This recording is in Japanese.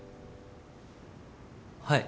はい。